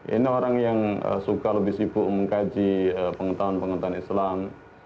ini orang yang suka lebih sibuk mengkaji pengetahuan pengetahuan islam